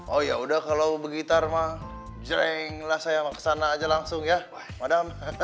oh yaudah kalau begitu mbah jreng lah saya ke sana aja langsung ya mada